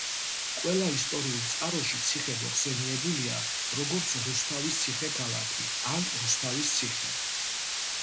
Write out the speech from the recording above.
ყველა ისტორიულ წყაროში ციხე მოხსენიებულია, როგორც რუსთავის ციხე-ქალაქი ან რუსთავის ციხე.